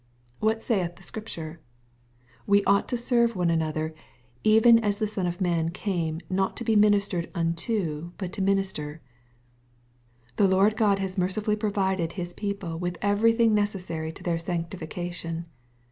What saith the Scripture ? We ought to serve one an* other, ^^even as the Son of man came not to be miuis« tered unto, but to minister." The Lord God has mercifully provided His people with everything necessary to their sanctification.